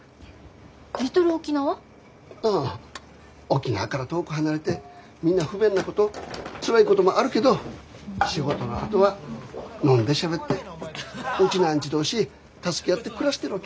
沖縄から遠く離れてみんな不便なことつらいこともあるけど仕事のあとは飲んでしゃべってウチナーンチュ同士助け合って暮らしてるわけ。